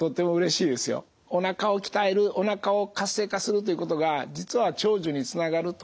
おなかを鍛えるおなかを活性化するということが実は長寿につながると。